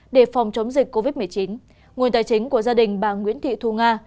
để phòng chống dịch covid một mươi chín nguồn tài chính của gia đình bà nguyễn thị thu nga